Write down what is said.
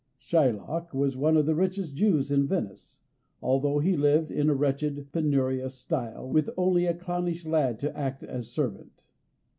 Shylock was one of the richest Jews in Venice, although he lived in a wretched, penurious style, with only a clownish lad to act as servant.